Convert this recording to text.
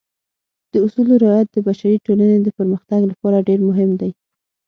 د اصولو رعایت د بشري ټولنې د پرمختګ لپاره ډېر مهم دی.